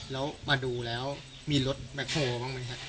แล้วมาดูแล้วมีรถแบ็คโฮลบ้างไหมครับ